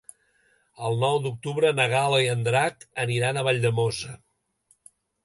El nou d'octubre na Gal·la i en Drac aniran a Valldemossa.